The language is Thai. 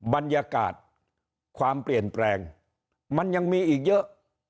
บรรยากาศความเปลี่ยนแปลงมันยังมีอีกเยอะ